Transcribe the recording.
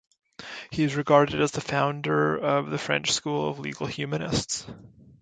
He is regarded as the founder of the French school of legal humanists.